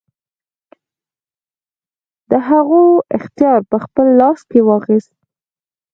د هغو اختیار په خپل لاس کې واخیست.